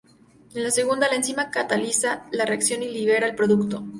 En la segunda, la enzima cataliza la reacción y libera el producto.